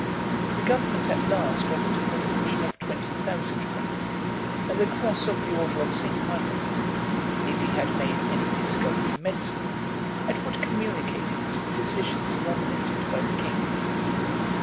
The government at last offered him a pension of twenty thousand francs, and the cross of the order of St. Michael, if he had made any discovery in medicine, and would communicate it to physicians nominated by the king.